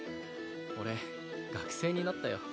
俺学生になったよ